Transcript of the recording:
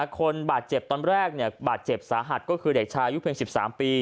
คนบาดเจ็บตอนแรกบาดเจ็บสาหัสก็คือเด็กชายุเพียง๑๓ปี